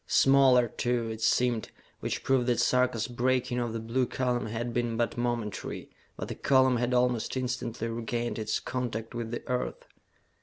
Smaller, too, it seemed, which proved that Sarka's breaking of the blue column had been but momentary, that the column had almost instantly regained its contact with the Earth.